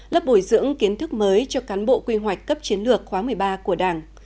lớp bồi dưỡng kiến thức mới cho cán bộ quy hoạch cấp chiến lược khóa một mươi ba của đảng